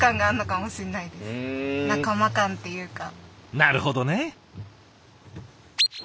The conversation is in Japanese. なるほどね！